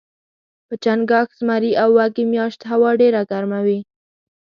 په چنګاښ ، زمري او وږي میاشت هوا ډیره ګرمه وي